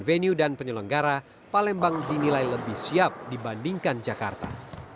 venue dan penyelenggara palembang dinilai lebih siap dibandingkan jakarta